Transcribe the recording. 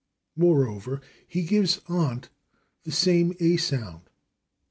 Moreover, he gives /aunt/ the same /a/ sound.